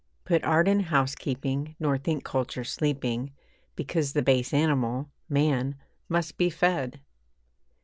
Put art in housekeeping, nor think culture sleeping Because the base animal, man, must be fed.